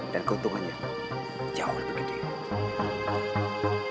dan keuntungannya jauh lebih gede